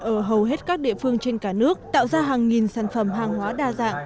ở hầu hết các địa phương trên cả nước tạo ra hàng nghìn sản phẩm hàng hóa đa dạng